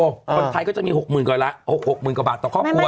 คนไทยก็จะมี๖๐๐๐๐กว่าละ๖๖๐๐๐กว่าบาทต่อครอบครัว